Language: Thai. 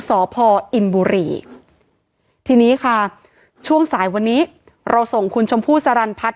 สพอินบุรีทีนี้ค่ะช่วงสายวันนี้เราส่งคุณชมพู่สรรพัฒน